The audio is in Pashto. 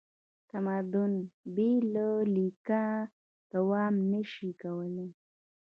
تمدن بې له لیکه دوام نه شي کولی.